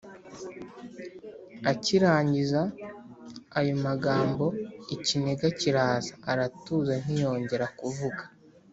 akirangiza ayo magambo ikiniga kiraza aratuza ntiyongera kuvuga.